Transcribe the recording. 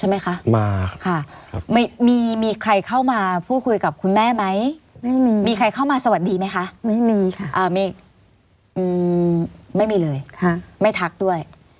ไม่มีเลยไม่ทักด้วย